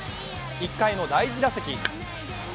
１回の第１打席。